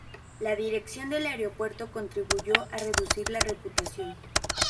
La dirección del aeropuerto contribuyó a reducir la reputación.